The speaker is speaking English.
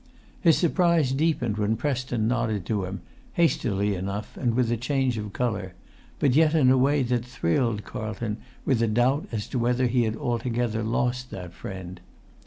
His surprise deepened when Preston nodded to him, hastily enough, and with a change of colour, but yet in a way that thrilled Carlton with a doubt as to whether he had altogether lost that friend.